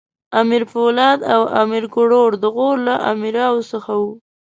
امیر پولاد او امیر کروړ د غور له امراوو څخه وو.